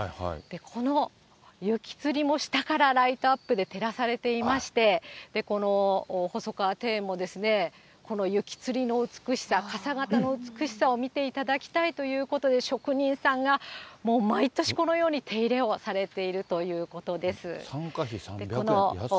この雪吊りも下からライトアップで照らされていまして、この細川庭園もこの雪吊りの美しさ、かさ形の美しさを見ていただきたいということで、職人さんが毎年、このように手入れをされているということです。